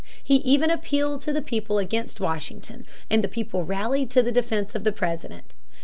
He even appealed to the people against Washington, and the people rallied to the defense of the President.